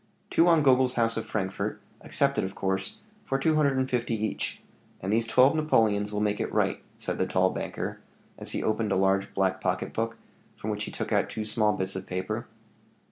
"Two on Gogel's house of Frankfort accepted of course for two hundred and fifty each, and these twelve napoleons will make it right," said the tall banker, as he opened a large black pocket book, from which he took out two small bits of paper.